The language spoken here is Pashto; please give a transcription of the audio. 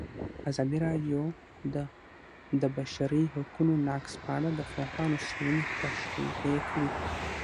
ازادي راډیو د د بشري حقونو نقض په اړه د پوهانو څېړنې تشریح کړې.